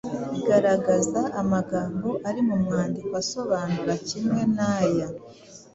Garagaza amagambo ari mu mwandiko asobanura kimwe n’aya: